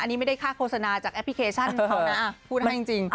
อันนี้ไม่ได้ค่าโฆษณาจากแอปพลิเคชันเขานะพูดให้จริง